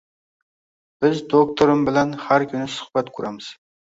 Biz doktorim bilan har kuni suhbat quramiz